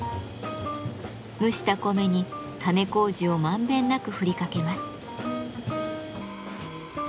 蒸した米に種麹をまんべんなく振りかけます。